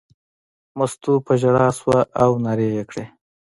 مستو په ژړا شوه او نارې یې کړې.